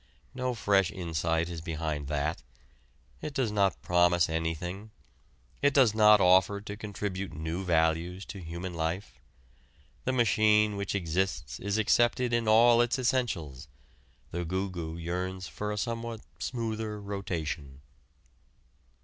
No fresh insight is behind that. It does not promise anything; it does not offer to contribute new values to human life. The machine which exists is accepted in all its essentials: the "goo goo" yearns for a somewhat smoother rotation.